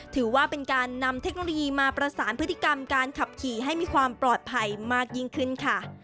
ถือว่าเป็นการนำเทคโนโลยีมาประสานพฤติกรรมการขับขี่ให้มีความปลอดภัยมากยิ่งขึ้นค่ะ